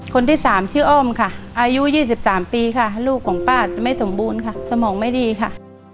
คนที่๓ชื่ออ้อมค่ะอายุ๒๓ปีค่ะลูกของป้าจะไม่สมบูรณ์ค่ะสมองไม่ดีค่ะ